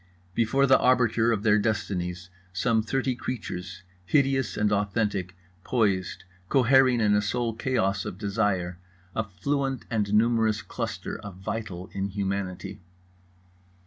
Before the arbiter of their destinies some thirty creatures, hideous and authentic, poised, cohering in a sole chaos of desire; a fluent and numerous cluster of vital inhumanity.